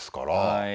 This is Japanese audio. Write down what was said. はい。